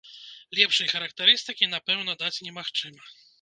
Лепшай характарыстыкі, напэўна, даць немагчыма!